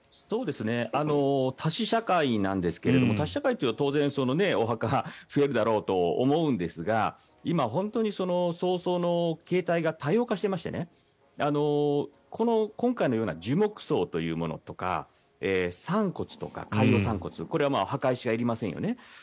多死社会なんですけど多死社会だとお墓が増えるだろうと思うんですが今、本当に葬送の形態が多様化していまして今回のような樹木葬というものとか散骨とか海洋散骨これは墓石がいりませんよね。